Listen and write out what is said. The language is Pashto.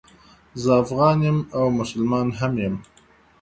زه افغان یم او مسلمان هم یم